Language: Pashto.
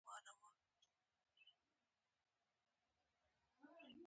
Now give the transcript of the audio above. لښکرګاه ښار کوچنی مګر بختور دی